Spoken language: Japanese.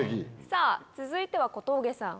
さぁ続いては小峠さん。